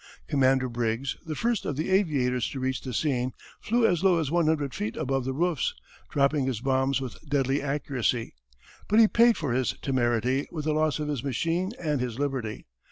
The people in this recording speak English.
Commander Briggs, the first of the aviators to reach the scene, flew as low as one hundred feet above the roofs, dropping his bombs with deadly accuracy. But he paid for his temerity with the loss of his machine and his liberty.